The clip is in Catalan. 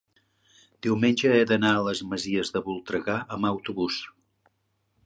diumenge he d'anar a les Masies de Voltregà amb autobús.